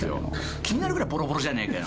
気になるぐらいぼろぼろじゃねえかよ。